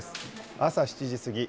朝７時過ぎ。